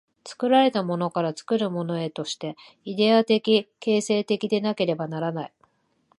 作られたものから作るものへとして、イデヤ的形成的でなければならない。